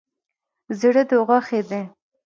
زړه ده غوښی دی